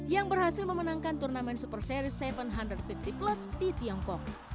yang berhasil memenangkan turnamen super series tujuh under lima puluh plus di tiongkok